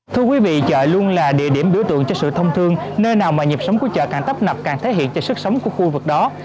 chợ tân định cũng là địa điểm biểu tượng cho sự thông thương nơi nào mà nhịp sống của chợ càng tấp nập càng thể hiện cho sức sống của khu vực đó